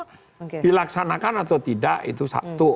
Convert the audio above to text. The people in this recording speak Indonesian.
kalau dilaksanakan atau tidak itu satu